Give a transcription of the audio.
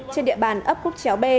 trên địa bàn ấp cúc chéo b